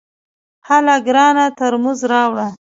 هله ګرانه ترموز راوړه !